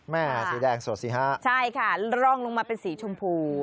สีแดงสดสิฮะใช่ค่ะร่องลงมาเป็นสีชมพู